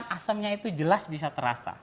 asemnya itu jelas bisa terasa